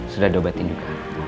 sudah diobatin juga